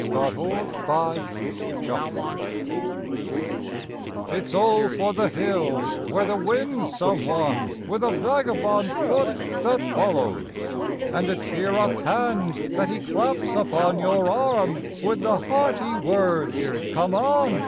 AN OLD SONG It's Oh, for the hills, where the wind's some one With a vagabond foot that follows! And a cheer up hand that he claps upon Your arm with the hearty words, "Come on!